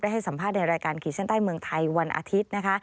ให้สัมภาษณ์ในรายการขีดเส้นใต้เมืองไทยวันอาทิตย์นะคะ